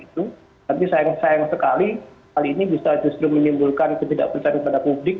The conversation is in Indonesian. tapi sayang sekali kali ini bisa justru menimbulkan ketidakpencangan kepada publik